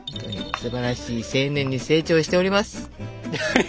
すばらしい青年に成長しております。